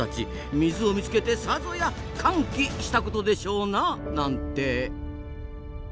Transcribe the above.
水を見つけてさぞや「歓喜」したことでしょうな。なんて。